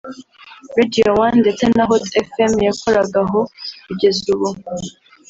Radio one ndetse na hot Fm yakoragaho kugeza ubu